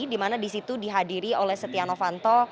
di mana di situ dihadiri oleh setia novanto